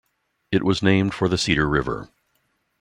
It was named for the Cedar River.